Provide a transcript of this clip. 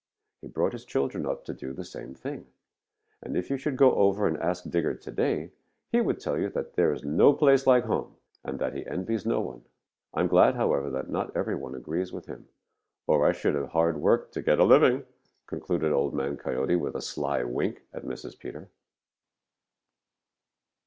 He brought his children up to do the same thing, and if you should go over and ask Digger to day, he would tell you that there is no place like home, and that he envies no one. I'm glad, however, that not every one agrees with him, or I should have hard work to get a living," concluded Old Man Coyote with a sly wink at Mrs. Peter.